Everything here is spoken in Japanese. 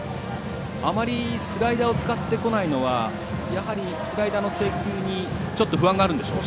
あまりスライダーを使ってこないのはやはり、スライダーの制球に不安があるんでしょうかね？